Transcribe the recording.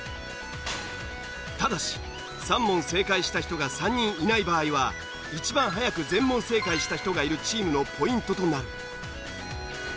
ただし３問正解した人が３人いない場合は一番早く全問正解した人がいるチームのポイントとなる。